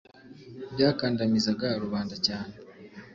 byakandamizaga rubanda cyane.